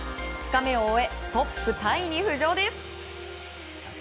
２日目を終えトップタイに浮上です。